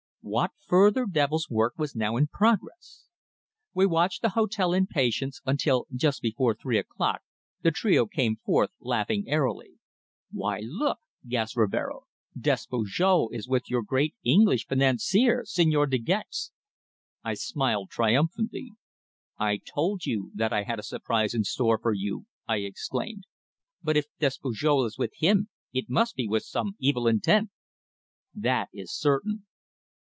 What further devil's work was now in progress? We watched the hotel in patience, until just before three o'clock the trio came forth laughing airily. "Why, look!" gasped Rivero. "Despujol is with your great English financier, Señor De Gex!" I smiled triumphantly. "I told you that I had a surprise in store for you," I exclaimed. "But if Despujol is with him it must be with some evil intent!" "That is certain!"